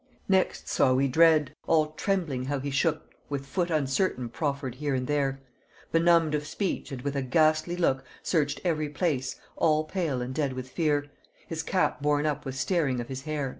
Next saw we Dread, all trembling how he shook With foot uncertain proffered here and there, Benumbed of speech, and with a ghastly look Searched every place, all pale and dead with fear, His cap borne up with staring of his hair."